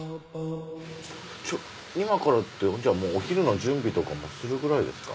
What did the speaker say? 今からってじゃあもうお昼の準備とかもするくらいですか？